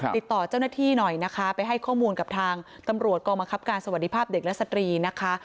ติดต่อเจ้าหน้าที่หน่อยนะคะไปให้ข้อมูลกับทางตำรวจกองบังคับการสวัสดีภาพเด็กและสตรีนะคะ